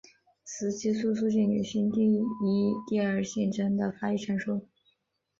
雌激素促进女性第一第二性征的发育成熟。